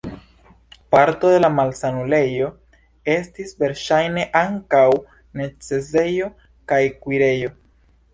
Parto de la malsanulejo estis verŝajne ankaŭ necesejo kaj kuirejo.